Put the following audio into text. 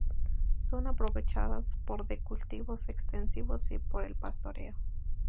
Son aprovechadas por de cultivos extensivos y por el pastoreo.